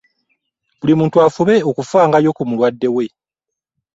Buli muntu afube okufangayo ku mulwadde we.